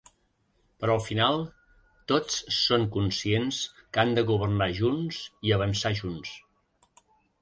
Però al final tots són conscients que han de governar junts i avançar junts.